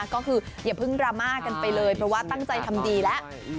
ก็คืออย่าเพิ่งดราม่ากันไปเลยเพราะว่าตั้งใจทำดีแล้ว